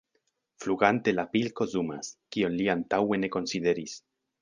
Flugante la pilko zumas, kion li antaŭe ne konsideris.